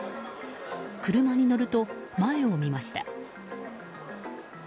車に乗ると前を見ました。